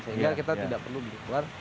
sehingga kita tidak perlu berkeluar